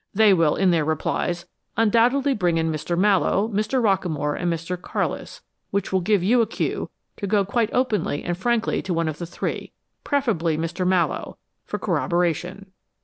They will, in their replies, undoubtedly bring in Mr. Mallowe, Mr. Rockamore and Mr. Carlis, which will give you a cue to go quite openly and frankly to one of the three preferably Mallowe for corroboration.